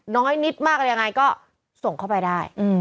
หรือยังไงก็ส่งเข้าไปได้